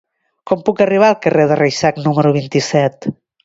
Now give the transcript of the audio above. Com puc arribar al carrer de Reixac número vint-i-set?